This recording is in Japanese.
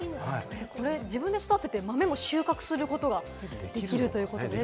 自分で育てて、豆も収穫することができるということなんですね。